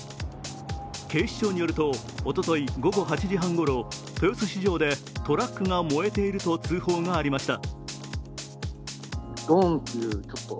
警視庁によると、おととい午後８時半ごろ、豊洲市場でトラックが燃えていると通報がありました。